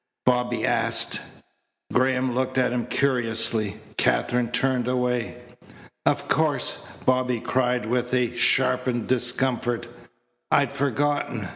Bobby asked. Graham looked at him curiously. Katherine turned away. "Of course," Bobby cried with a sharpened discomfort. "I'd forgotten.